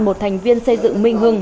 một thành viên xây dựng minh hưng